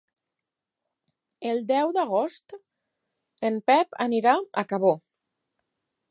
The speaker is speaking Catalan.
El deu d'agost en Pep irà a Cabó.